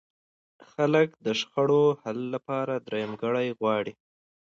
خلک د شخړو حل لپاره درېیمګړی غواړي.